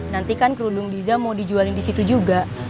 nanti kan kerulung diza mau dijualin di situ juga